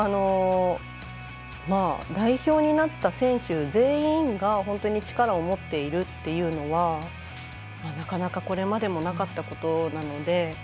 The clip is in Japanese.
代表になった選手全員が本当に力を持っているというのはなかなかこれまでもなかったことなので。